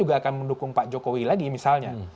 juga akan mendukung pak jokowi lagi misalnya